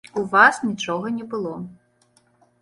У вас нічога не было.